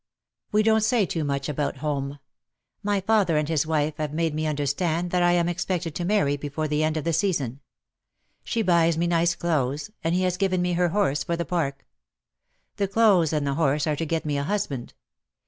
"We don't say too much about home. My father and his Nvife have made me understand that I am expected to marry before the end of the season. She buys me nice clothes, and he has given me her horse for the Park. The clothes and the horse are to get me a husband.